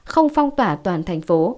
không phong tỏa toàn thành phố